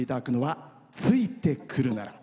「ついて来るなら」。